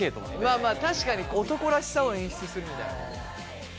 まあまあ確かに男らしさを演出するみたいなことか。